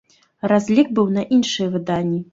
Разлік быў на іншыя выданні.